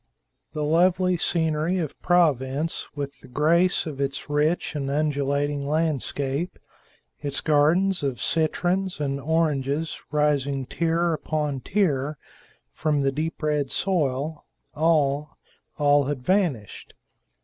The lovely scenery of Provence, with the grace of its rich and undulating landscape; its gardens of citrons and oranges rising tier upon tier from the deep red soil all, all had vanished.